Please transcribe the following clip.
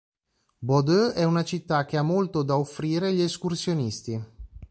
Bodø è una città che ha molto da offrire agli escursionisti.